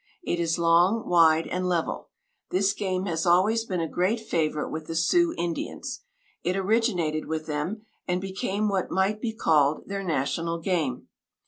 It is long, wide and level. This game has always been a great favorite with the Sioux Indians. It originated with them, and became what might be called their national game.